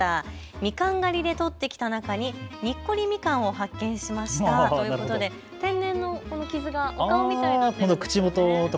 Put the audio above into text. みかん狩りで取ってきた中ににっこりみかんを発見しましたということで天然の傷がお顔みたいになってるんですね。